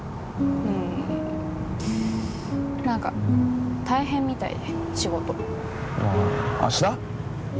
うん何か大変みたいで仕事あ芦田？